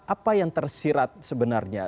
apa yang tersirat sebenarnya